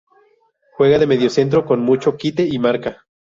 Juega de mediocentro, con mucho quite y marca.